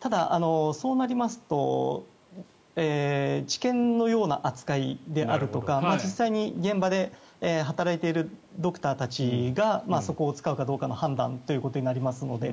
ただ、そうなりますと治験のような扱いであるとか実際に現場で働いているドクターたちがそこを使うかどうかの判断となりますので。